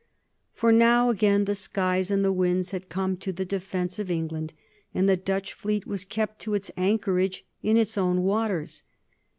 For now again the skies and the winds had come to the defence of England, and the Dutch fleet was kept to its anchorage in its own waters.